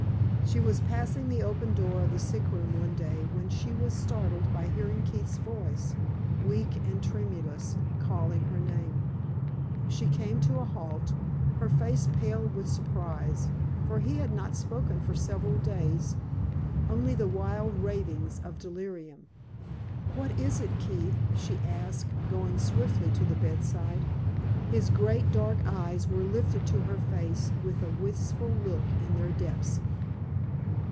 She was passing the open door of the sick room one day, when she was startled by hearing Keith's voice, weak and tremulous, calling her name. She came to a halt, her face pale with surprise, for he had not spoken for several days, only the wild ravings of delirium. "What is it, Keith?" she asked, going swiftly to the bedside. His great dark eyes were lifted to her face with a wistful look in their depths.